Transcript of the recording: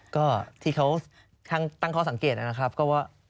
ก็ที่เขาตั้งข้อสังเกตนะครับก็ว่า